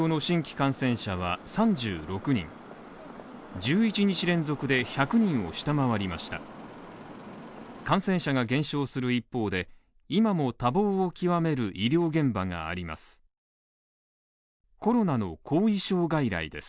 感染者が減少する一方で、今も多忙を極める医療現場があります。